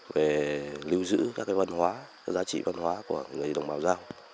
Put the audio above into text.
về lưu giữ các cái văn hóa các giá trị văn hóa của người đồng bào